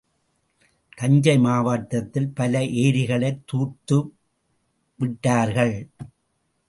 தஞ்சை மாவட்டத்தில் பல ஏரிகளைத் தூர்த்து விட்டார்கள்.